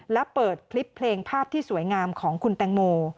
และเปิดคลิปเพลงภาพที่สวยงามของคุณแตงโม